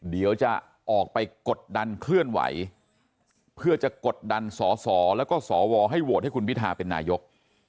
เดี๋ยวจะออกไปกดดันเคลื่อนไหวเพื่อจะกดดันสอสอแล้วก็สวให้โหวตให้คุณพิทาเป็นนายก